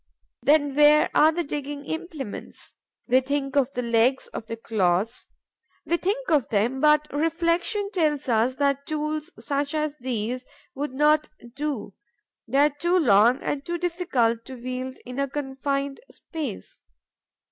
Then where are the digging implements? We think of the legs, of the claws. We think of them, but reflection tells us that tools such as these would not do: they are too long and too difficult to wield in a confined space.